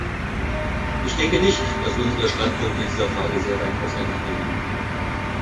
Ich denke nicht, dass unsere Standpunkte in dieser Frage sehr weit auseinanderliegen.